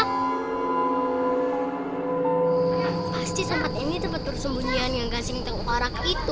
pasti saat ini tempat persembunyian yang gasing tengkorak itu